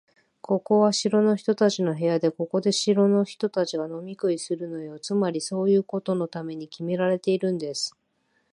ここは城の人たちの部屋で、ここで城の人たちが飲み食いするのよ。つまり、そういうことのためにきめられているんです。